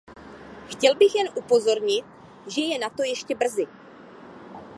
Chtěl bych jen upozornit, že je na to ještě brzy.